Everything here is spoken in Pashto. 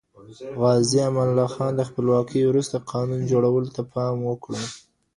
غازي امان الله خان د خپلواکۍ وروسته قانون جوړولو ته پام وکړ.